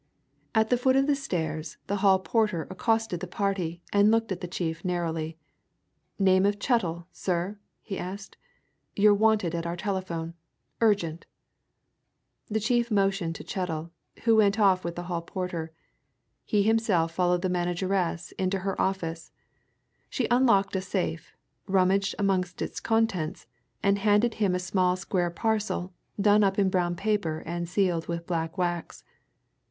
At the foot of the stairs the hall porter accosted the party and looked at the chief narrowly. "Name of Chettle, sir?" he asked. "You're wanted at our telephone urgent." The chief motioned to Chettle, who went off with the hall porter; he himself followed the manageress into her office. She unlocked a safe, rummaged amongst its contents, and handed him a small square parcel, done up in brown paper and sealed with black wax.